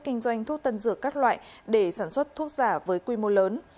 kinh doanh thuốc tân dược các loại để sản xuất thuốc giả với quy mô lớn